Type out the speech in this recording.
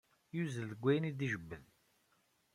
Yuzzel deg ayen i d-ijebbed.